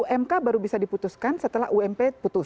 jadi umk baru bisa diputuskan setelah ump